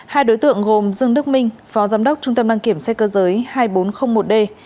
hai đối tượng gồm dương đức minh phó giám đốc trung tâm đăng kiểm xe cơ giới hai nghìn bốn trăm linh một d